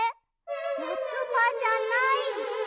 よつばじゃない！